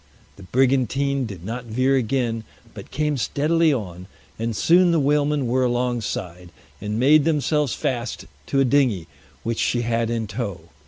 The brigantine did not veer again, but came steadily on, and soon the whalemen were alongside, and made themselves fast to a dinghy which she had in tow.